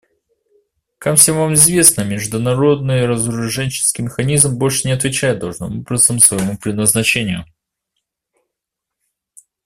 Как всем нам известно, международный разоруженческий механизм больше не отвечает должным образом своему предназначению.